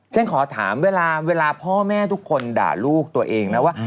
ฉันขอถามเวลาพ่อแม่ทุกคนด่าลูกตัวเองนะว่า